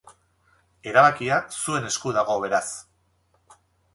Erabakia zuen esku dago, beraz.